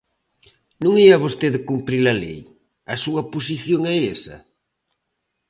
¿Non ía vostede cumprir a lei?¿A súa posición é esa?